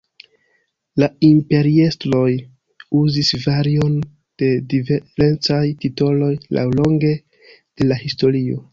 La imperiestroj uzis varion de diferencaj titoloj laŭlonge de la historio.